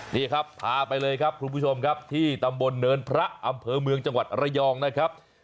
นี่ครับพาไปเลยครับคุณผู้ชมครับที่ตำบลเนินพระอำเภอเมืองจังหวัดระยองนะครับ